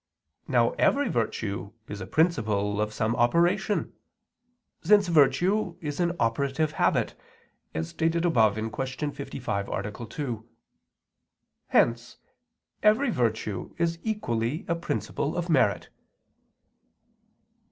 Now every virtue is a principle of some operation, since virtue is an operative habit, as stated above (Q. 55, A. 2). Hence every virtue is equally a principle of merit.